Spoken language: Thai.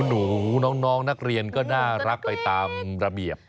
หนูน้องนักเรียนก็น่ารักไปตามระเบียบ